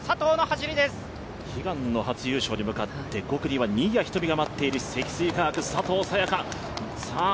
悲願の初優勝に向かって、５くには新谷仁美が待っている積水化学、佐藤早也伽。